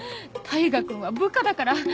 大牙君は部下だから！